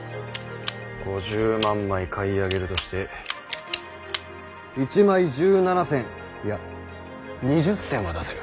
５０万枚買い上げるとして１枚１７銭いや２０銭は出せる。